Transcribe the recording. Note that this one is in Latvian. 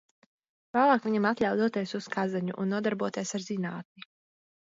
Vēlāk viņam atļāva doties uz Kazaņu un nodarboties ar zinātni.